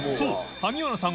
萩原さん）